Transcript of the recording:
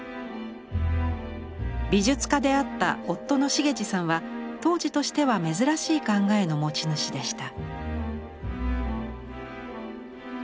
美術家であった夫の茂司さんは当時としては珍しい考えの持ち主でした。